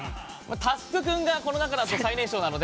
翼君がこの中だと最年少なので。